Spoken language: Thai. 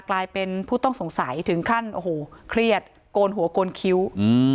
กลายเป็นผู้ต้องสงสัยถึงขั้นโอ้โหเครียดโกนหัวโกนคิ้ว